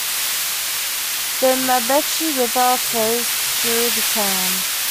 The Mabechi River flows through the town.